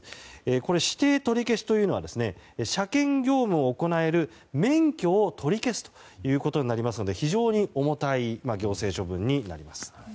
これ、指定取り消しというのは車検業務を行える免許を取り消すということになりますので非常に重たい行政処分になります。